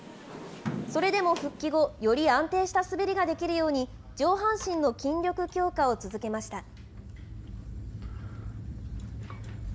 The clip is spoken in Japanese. それでも復帰後、より安定した滑りができるように、上半身の筋力強化を続けました。